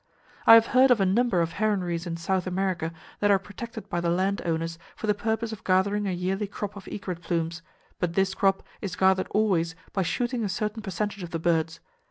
I have heard of a number of heronries in South America that are protected by the land owners for the purpose of gathering a yearly crop of egret plumes, but this crop is gathered always by shooting a certain percentage of the birds.